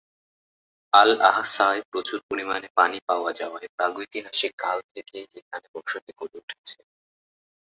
আল-আহসায় প্রচুর পরিমাণে পানি পাওয়া যাওয়ায় প্রাগৈতিহাসিক কাল থেকেই এখানে বসতি গড়ে উঠেছে।